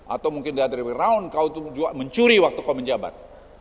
atau mungkin dari warround kau juga mencuri waktu kau menjabat